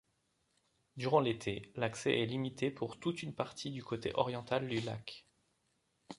Durant l'été, l'accès est limité pour toute une partie du côté oriental du lac.